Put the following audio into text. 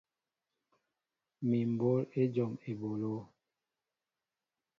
Mi mɓǒl éjom eɓólo.